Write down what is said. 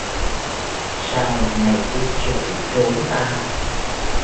Sao mày cứ chạy trốn tao